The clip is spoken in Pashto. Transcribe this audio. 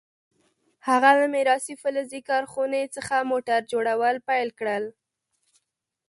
هغه له میراثي فلزي کارخونې څخه موټر جوړول پیل کړل.